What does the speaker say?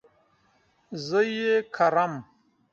زه ئې کرم